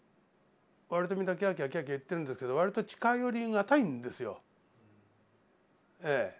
わりとみんなキャーキャーキャーキャー言ってるんですけどわりと近寄りがたいんですよええ。